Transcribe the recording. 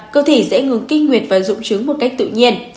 cơ thể dễ ngừng kinh nguyệt và dụng trứng một cách tự nhiên